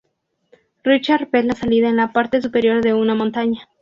Richard ve la salida en la parte superior de una montaña.